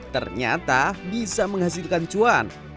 ternyata bisa menghasilkan cuan